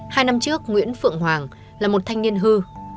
hai năm trước nguyễn phượng hoàng là một thanh niên hư